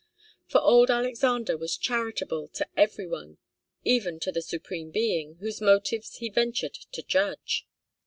For old Alexander was charitable to every one even to the Supreme Being, whose motives he ventured to judge.